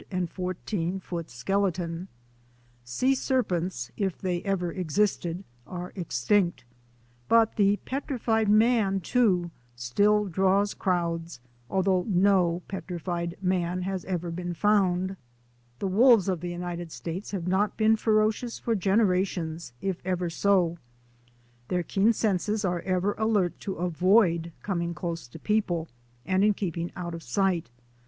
Sea ser CENSORED NATURAL HISTORY NEWS 221 pents, if they ever existed, are extinct; but the "Petrified Man," too, still draws crowds although no petrified man has ever been discovered. The wolves of the United States have not been ferocious for generations, if ever so. Their keen senses are ever alert to avoid coming close to peo ple and in keeping out of sight.